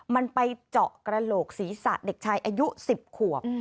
มันไปเจาะกระโหลกศีรษะเด็กชายอายุ๑๐ขวบ